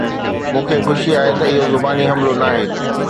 مون کي خوشي آهي ته اهو زباني حملو ناهي